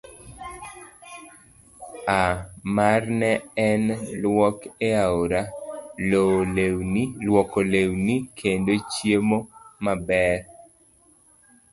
A. mar Ne en lwok e aora, lwoko lewni, kendo chiemo maber